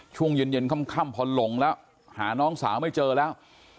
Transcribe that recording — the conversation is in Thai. ช่วงเย็นค่ำพอหลงแล้วหาน้องสาวไม่เจอแล้ว